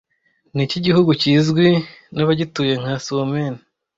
Niki gihugu kizwi nabagituye nka Suomen